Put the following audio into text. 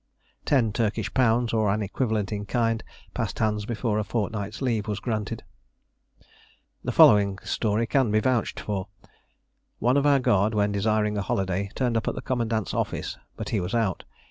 Ten Turkish pounds, or an equivalent in kind, passed hands before a fortnight's leave was granted. The following story can be vouched for. One of our guard, when desiring a holiday, turned up at the commandant's office, but he was out.